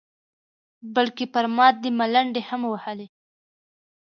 بلکې پر ما دې ملنډې هم وهلې.